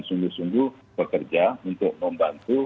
sungguh bekerja untuk membantu